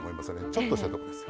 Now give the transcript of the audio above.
ちょっとしたとこです。